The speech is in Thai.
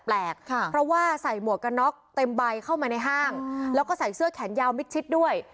เพราะว่าใส่หมวกกันน็อกเต็มใบเข้ามาในห้างแล้วก็ใส่เสื้อแขนยาวมิดชิดด้วย